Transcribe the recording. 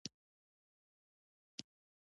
ګاز د افغانستان د اقتصادي ودې لپاره ارزښت لري.